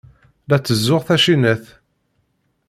La tteẓẓuɣ tacinat.